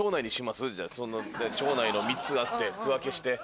町内の３つあって区分けして。